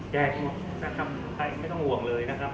แจกหมดใครไม่ต้องอ่วงเลย